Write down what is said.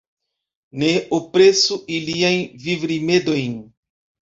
Ne opresu iliajn vivrimedojn.